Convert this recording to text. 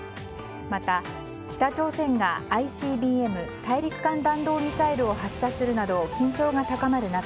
また、北朝鮮がＩＣＢＭ・大陸間弾道ミサイルを発射するなど緊張が高まる中